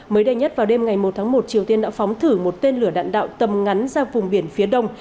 mới đây nhất vào đêm ngày một tháng một triều tiên đã phóng thử một tên lửa đạn đạo tầm ngắn ra vùng biển phía đông